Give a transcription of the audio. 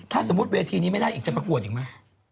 ถ้าสมมุติเวทีนี้ไม่ได้อีกจะประกวดอีกไหม